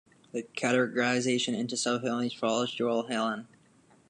The categorization into subfamilies follows Joel Hallan.